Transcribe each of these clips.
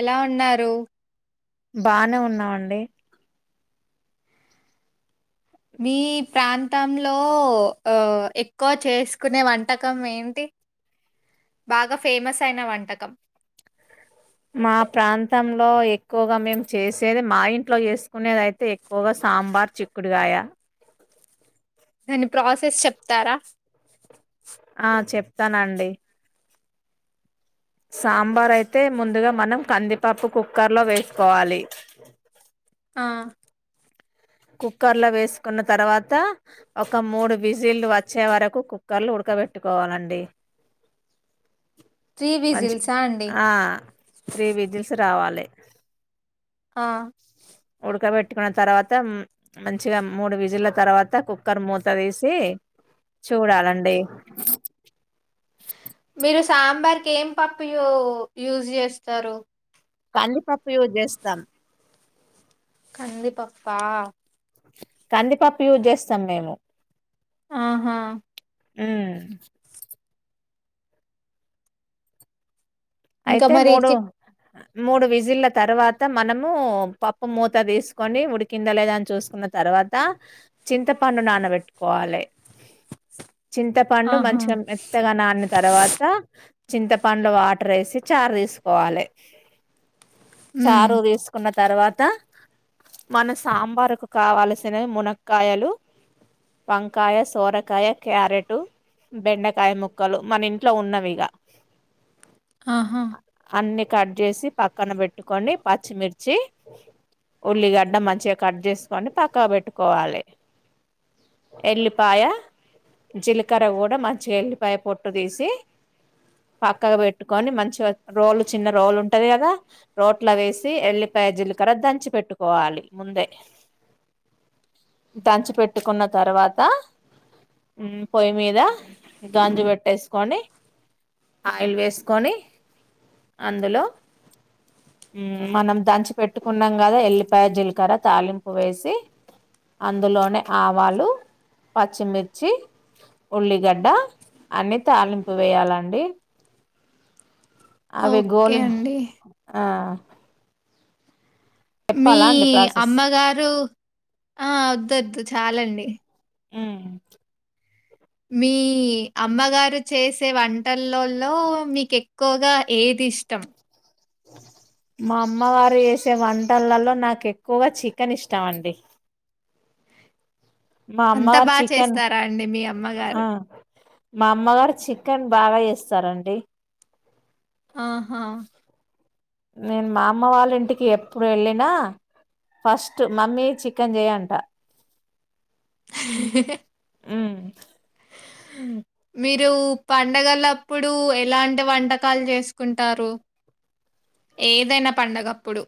ఎలా ఉన్నారు బానే ఉన్నావండి మీ ప్రాంతంలో ఆ ఎక్కువ చేసుకునే వంటకం ఏంటి బాగా ఫేమస్ అయిన వంటకం మా ప్రాంతంలో ఎక్కువగా మేము చేసేది మా ఇంట్లో చేసుకునేది అయితే ఎక్కువగా సాంబార్ చిక్కుడుగాయ దాని ప్రాసెస్ చెప్తారా ఆ చెప్తానండి సాంబార్ అయితే ముందుగా మనం కందిపప్పు కుక్కర్లో వేసుకోవాలి. ఆ కుక్కర్ లో వేసుకున్న తర్వాత ఒక మూడు విజిల్లు వచ్చే వరకు కుక్కర్లో ఉడకబెట్టుకోవాలండి. త్రీ మంచి విజిల్సా అండి ఆ త్రీ విజిల్స్ రావాలి ఆ ఉడకబెట్టుకున్న తర్వాత మ్ మంచిగా మూడు విజిల్ల తర్వాత కుక్కర్ మూత తీసి చూడాలండి. మీరు సాంబార్ కి ఏం పప్పులు యూజ్ జేస్తరు కందిపప్పు యూజ్ జేస్తాం కందిపప్పా కందిపప్పు యూజ్ జేస్తం మేము ఆహా హ్మ్ ఇంకా అయితే మరి మూడు చిక్ మూడు విజిల్ల తర్వాత మనము పప్పు మూత తీసుకొని ఉడికిందా లేదా అని చూసుకున్న తర్వాత చింతపండు నానబెట్టుకోవాలి. చింతపండు ఆహా మంచిగా మెత్తగా నానిన తర్వాత చింతపండు వా టరేసి చార్ తీసుకోవాలి ఉమ్, చారు తీసుకున్న తర్వాత మన సాంబారు కి కావాల్సిన మునక్కాయలు వంకాయ సోరకాయ క్యారెటు బెండకాయ ముక్కలు మన ఇంట్లో ఉన్నవి ఇగా ఆహా కట్ చేసి పక్కన వెట్టుకొని పచ్చిమిర్చి ఉల్లిగడ్డ మంచిగా కడ్ చేసుకొని పక్కకు వెట్టుకోవాలే ఎల్లిపాయ జీలకర్ర గూడ మంచిగా ఎల్లిపాయ పొట్టు తీసి పక్కకు వెట్ పెట్టుకని మంచిగా రోలు చిన్న రోల్ ఉంటది గదా రోట్ల వేసి ఎల్లికాయ జీలకర్ర దంచి పెట్టుకోవాలి ముందే దంచి పెట్టుకున్న తర్వాత హ్మ్ పొయ్యి మీద గంజు పెట్టేసుకొని ఆయిల్ వేసు కొని అందులో హ్మ్ మనం దంచి పెట్టుకున్నాం గదా ఎల్లిపాయ జీలకర్ర తాలింపు వేసి అందులోనే ఆవాలు పచ్చిమిర్చి ఉల్లిగడ్డ అన్ని తాలింపు వేయాలండి అవి ఓకే గోలిన అండి ఆ మీ చెప్పాలా అండి ప్రాసెస్? అమ్మగారు ఆ వద్దు వద్దు చాలండి మ్మ్ మీ అమ్మగారు చేసే వంటల్లోలో మీకు ఎక్కువగా ఏది ఇష్టం మా అమ్మవారు వేసే వంటలలో నాకు ఎక్కువగా చికెన్ ఇష్టం అండి మా అంతా అమ్మగారు బాగా చికెన్ చేస్తారా అండి మీ ఆ! అమ్మగారు మా అమ్మగారు చికెన్ బాగా చేస్తారండి ఆహా నేను మా అమ్మ వాళ్ళ ఇంటికి ఎప్పుడు వెళ్ళినా ఫస్ట్ మమ్మీ చికెన్ చెయ్ అంట మ్మ్ మ్మ్ మీరు పండగలప్పుడు ఎలాంటి వంటకాలు చేసుకుంటారు ఏదైనా పండగప్పుడు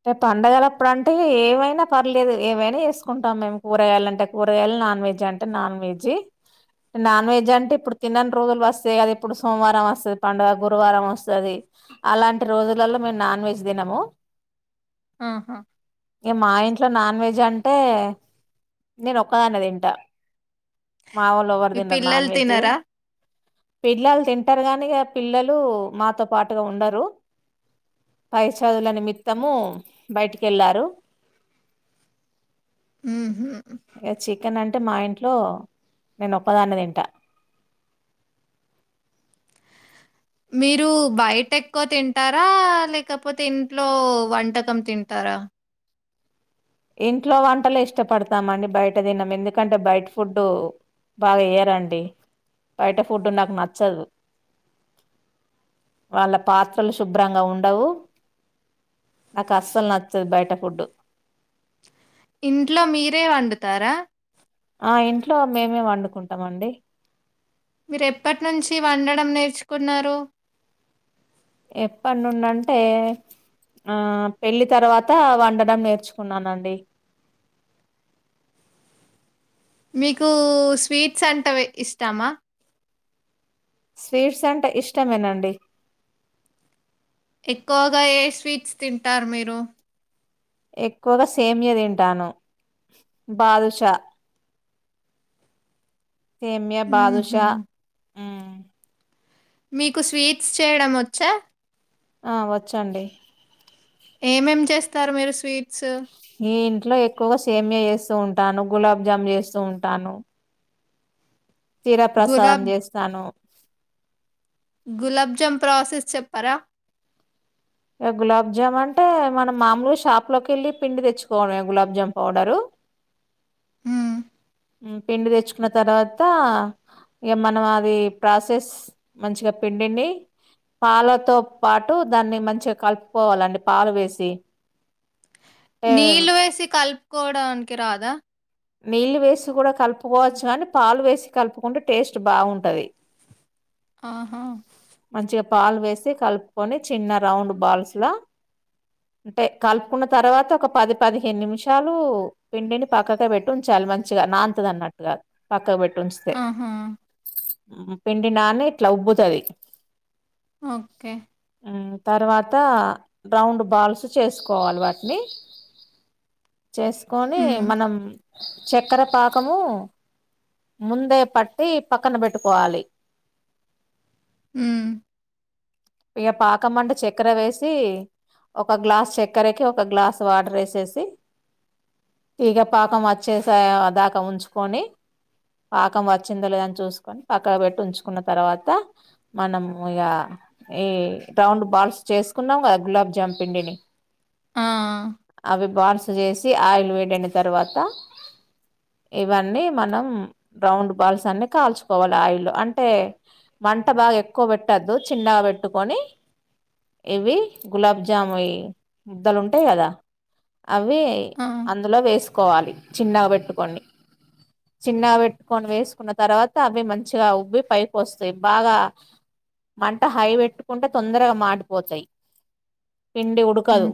అంటే పండగల అప్పుడు అంటే ఏమైనా పర్లేదు ఏమైనా చేసుకుంటాం మేము కూరగాయలు అంటే కూరగాయలు నాన్ వెజ్ అంటే నాన్ వెజ్ నాన్ వెెజ్ అంటే ఇప్పుడు తినాని రోజులు వస్తాయి గదా ఇప్పుడు సోమవారం వస్తది పండుగ గురువారం వస్తది అలాంటి రోజులలో మేము నాన్ వెెజ్ తినము ఆహా ఇగ మా ఇంట్లో నాన్ వెజ్ అంటే నేను ఒక్కదాన్నే తింటా మా వొళ్ళు ఎవరు మీ తినరు నాన్ పిల్లలు వెజ్ తినరా? పిల్లలు తింటారు గాని ఇగ పిల్లలు మాతో పాటుగా ఉండరు పైచదులని మీ తము బయటికి వెళ్ళారు ఉహు ఇగ చికెన్ అంటే మా ఇంట్లో నేను ఒక్కదాన్నే తింటా మీరు బయట ఎక్కువ తింటారా లేకపోతే ఇంట్లో వంటకం తింటారా ఇంట్లో వంటలే ఇష్టపడతామండి బయట తినము ఎందుకంటే బయట ఫుడ్డు బాగా వేయరండి బయట ఫుడ్ నాకు నచ్చదు వాళ్ళ పాత్రలు శుభ్రంగా ఉండవు నాకు అస్సలు నచ్చదు బయట ఫుడ్డు ఇంట్లో మీరే వండుతారా ఆ ఇంట్లో మేమే వండుకుంటాం అండి మీరు ఎప్పటి నుంచి వండడం నేర్చుకున్నారు ఎప్పటి నుండి అంటే ఆ పెళ్ళి తర్వాత వండడం నేర్చుకున్నానండి మీకు స్వీట్స్ అంతావె ఇష్టమా స్వీట్స్ అంటే ఇష్టమేనండి ఎక్కువగా ఏ స్వీట్స్ తింటారు మీరు ఎక్కువగా సేమియా తింటాను బాదుషా హేమ్య హుహు. బాదుషా హ్మ్. మీకు స్వీట్స్ చేయడం వచ్చా ఆ వచ్చండి ఏమేం చేస్తారు మీరు స్వీట్స్ ఈ ఇంట్లో ఎక్కువగా సేమ్యా చేస్తూ ఉంటాను గులాబ్ జామ్ చేస్తూ ఉంటాను తీర ప్రసాదం గులాబ్ చేస్తాను గులాబ్ జామ్ ప్రాసెస్ చెప్పారా ఇగ గులాబ్ జామ్ అంటే మనం మామూలుగా షాప్ లోకి వెళ్ళి పిండి తెచ్చుకోవడం ఏ గులాబ్ జామ్ పౌడరు హ్మ్. పిండి తెచ్చుకున్న తర్వాత ఇగ మనం అది ప్రాసెస్ మంచిగా పిండిని పాలతో పాటు దాన్ని మంచిగా కలుపుకోవాలండి పాలు వేసి అంటే నీళ్ళు వేసి కల్ కోవడానికి రాదా నీళ్ళు వేసి కూడా కలుపుకోవచ్చు కానీ పాలు వేసి కలుపుకుంటే టేస్ట్ బాగుంటది ఆహా మంచిగా పాలు వేసి కలుపుకొని చిన్న రౌండ్ బాల్స్ లా అంటే కలుపుకున్న తర్వాత ఒక పది పదిహేను నిమిషాలు పిండిని పక్కకే పెట్టి ఉంచాలి మంచిగా నాంతది అన్నట్టుగా పక్క పెట్ ఆహా పిండినాని ఇట్లా ఉబ్బుతది ఓకే తర్వాత రౌండ్ బాల్స్ చేసుకోవాలి వాటిని చేసుకొని హ్మ్. మనం చెక్కెర పాకము ముందే పట్టి పక్కన పెట్టుకోవాలి హ్మ్ ఇగ పాకం అంటే చెక్కెర వేసి ఒక గ్లాస్ చెక్కెరకి ఒక గ్లాస్ వాటర్ వేసేసి తీగ పాకం వచ్చేస దాకా ఉంచుకొని పాకం వచ్చిందో లేదని చూసుకొని పక్క పెట్టి ఉంచుకున్న తర్వాత మనము ఇగ ఈ రౌండ్ బాల్స్ చేసుకున్నాం గా గులాబ్ జామ్ పిండిని ఆ అవి బాల్స్ చేసి ఆయిల్ వేడి అయిన తరువాత ఇవ్వని మనం రౌండ్ బాల్స్ అన్ని కాల్చుకోవాలి ఆయిల్లో అంటే మం ట బాగా ఎక్కువ పెట్టొద్దు చిన్నగా పెట్టుకొని ఇవి గులాబ్ జాముయి ముద్దలు ఉంటాయి కదా అవ్వి ఆ! అందులో వేసు కోవాలి చిన్నగా పెట్టుకని చిన్నగా పెట్టుకొని వేసుకున్న తర్వాత అవ్వి మంచిగా ఉబ్బి పైకి వస్తాయి బాగా మంట హైబెట్టుకుంటే తొందరగా మాడిపోతాయి పిండి ఉడుకదు హ్మ్.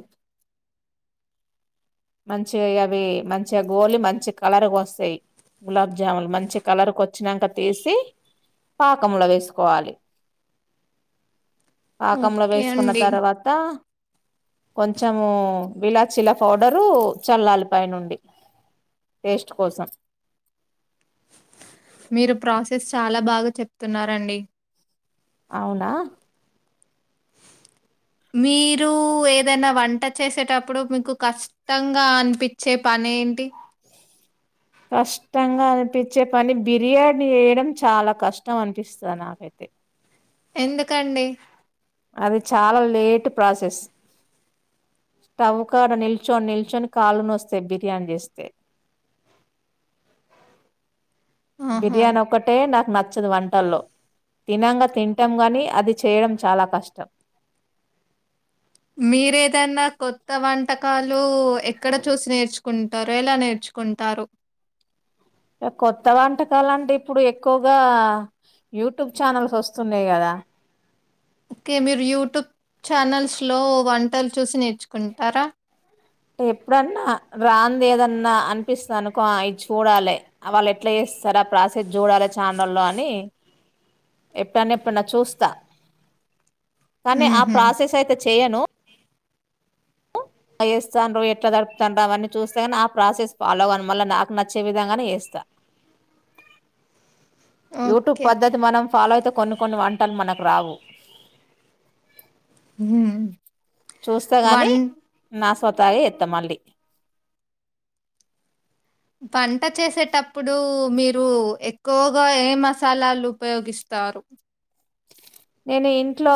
మంచి ఇగ అవి మంచిగా గోలి మంచి కలర్కో స్తాయి గులాబ్జామున్ మంచి కలర్కోచినంక తీసి పాకంలో వేస్ సుకోవాలి పాకంలో ఓకే వేసుకున్న అండి. తర్వాత కొంచెము విలాచిల పౌడరు చల్లాలి పై నుండి టేస్ట్ కోసం మీరు ప్రాసెస్ చాలా బాగా చెప్తున్నారండి అవునా మీరు ఏదైనా వంట చేసేటప్పుడు మీకు కష్టంగా అనిపించే పని ఏంటి కష్టంగా అనిపించే పని బిర్యానీ చేయడం చాలా కష్టం అనిపిస్తది నాకైతే ఎందుకండి అది చాలా లేట్ ప్రాసెస్ స్టవ్ కాడ నిల్చొని నిల్చొని కాళ్ళునోస్తాయి బిర్యానీ చేస్తే ఆహా! బిర్యానీ ఒక్కటే నాక్ నచ్చదు వంటల్లో తినంగా తింటాం గని అది చేయడం చాలా కష్టం మీరేదన్నా కొత్త వంటకాల్ లు ఎక్కడ చూసి నేర్చుకుం టారు ఏలా నేర్చుకుంటారు కొత్త వంటకాలంటే ఇప్పుడు ఎక్కువగా యూట్యూబ్ ఛానల్స్ వస్తున్నాయి కదా కే మీరు యూట్యూబ్ ఛానల్స్ లో వంటలు చూసి నేర్చుకుంటారా ఎప్పుడన్నా రాంది ఏదన్నా అనిపిస్తది అనుకో ఇది చూడాలి వాళ్ళు ఎట్లా చేస్తారా ఆ ప్రాసెస్ చూడాలి ఛానల్లో అని ఎప్పుడన్నా ఎప్పుడన్నా చూస్తా కానీ ఆ హుహు. ప్రాసెస్ అయితే చెయను ట్ల చేస్తాన్రు? ఎట్ల తడుపుతాన్రు? అవన్నీ చూస్తగని ఆ ప్రాసెస్ ఫాలో గాను. మళ్ళ నాకు నచ్చే విధంగానేచేస్తా. YouTube okay. పద్ధతి, మనం ఫాలో అయితే కొన్ని కొన్ని వంటలు మనకు రావు. హ్మ్ చూస్తా గాని, వం నాస్ తాగే చెత్త మళ్ళీ. వంట చేసేటప్పుడు మీరు ఎక్కువగా, ఏ మసాలాలు ఉపయోగిస్తారు? నేను ఇంట్లో,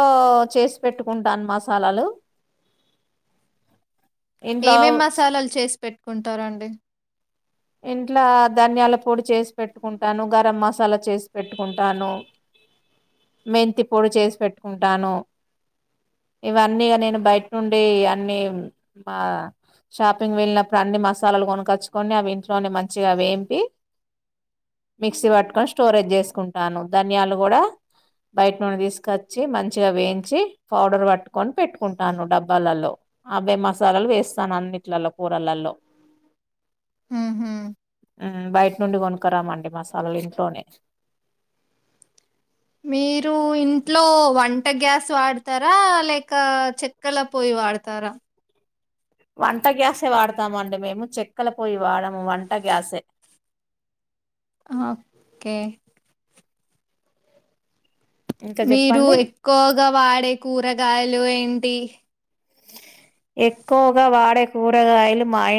చేసి పెట్టుకుంటాను మసాలాలు. ఇంట్లో ఏమేం మసాలాలు చేసి పెట్ కుంటారండి? ఇంట్ల ధనియాల పొడి చేసి పెట్టుకుంటాను. గరం మసాలా చేసి పెట్టుకుంటాను. మెంతి పొడి చేసి పెట్టుకుంటాను. ఇవన్నీగా నేను బయట నుండి అన్ని, మా షాపింగ్ వెళ్ళినప్పుడు అన్ని మసాలాలు కొనగొచ్చుకొని అవి ఇంట్ లను మంచిగా వేంపి మిక్సీ పట్టుకొని స్టోరేజ్ చేసుకుంటాను. ధనియాలు కూడా బయట నుండి తీసుకొచ్చి, మంచిగా వేయించి పౌడర్ పట్టుకొని పెట్టుకుంటాను డబ్బాల్లల్లో. అవే మసాలాలు వేస్తాను అన్నిట్లల్లో కూరల్లల్లో. హుహు. బయట నుండి కొనుక్కరామండి, మసాలలు ఇంట్లోనే. మీరు ఇంట్లో వంట గ్యాస్ వాడతారా? లేక చెక్కల పొయ్యి వాడతారా? వంట గ్యాసే వాడతామండి మేము, చెక్కల పోయి వాడము. వంట గ్యాసే ఓకే ఇంకా మీరు చెప్పండి ఎక్కువగా వాడే కూరగ్ గాయలు ఏంటి? ఎక్కువగా వాడే కూరగాయలు, మాయిన్